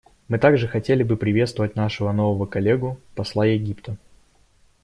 Мы также хотели бы приветствовать нашего нового коллегу — посла Египта.